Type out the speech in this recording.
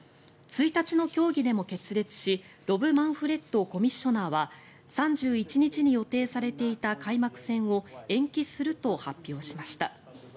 １日の協議でも決裂しロブ・マンフレッドコミッショナーは３１日に予定されていた開幕戦を延期すると発表しました。